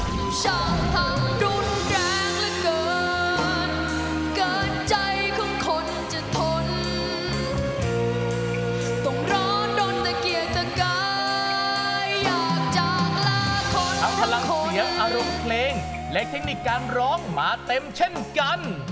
ทั้งพลังเสียงอรกเคลงและเทคนิคการร้องมาเต็มเช่นกัน